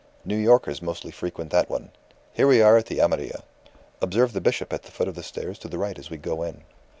New Yorkers mostly frequent that one Here we are at the Amarilla. Observe the bishop at the foot of the stairs to the right as we go in."